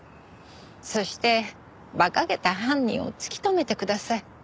そして馬鹿げた犯人を突き止めてください。